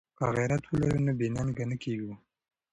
که غیرت ولرو نو بې ننګه نه کیږو.